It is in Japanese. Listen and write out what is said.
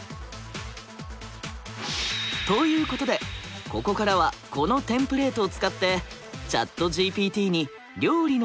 ということでここからはこのテンプレートを使ってＣｈａｔＧＰＴにじゃあ桜井さん和食。